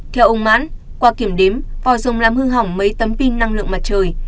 theo ông mãn qua kiểm đếm vòi dùng làm hư hỏng mấy tấm pin năng lượng mặt trời